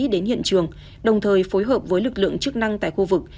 đến hiện trường đồng thời phối hợp với lực lượng chức năng tại khu vực